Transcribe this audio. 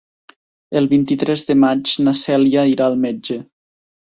El vint-i-tres de maig na Cèlia irà al metge.